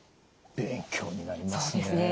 勉強になりますね。